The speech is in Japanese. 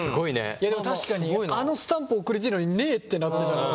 いやでも確かにあのスタンプ送りてえのに無えってなってたらさ。